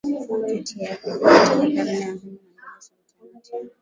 Katika karne ya kumi na mbili Sultanate ya